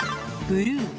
ブルー？